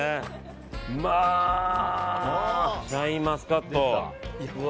シャインマスカット。